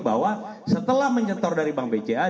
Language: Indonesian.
bahwa setelah menyetor dari bank bca